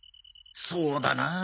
そうだなあ。